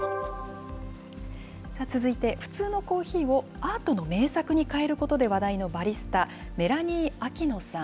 続いて、普通のコーヒーをアートの名作に変えることで話題のバリスタ、メラニー・アキノさん。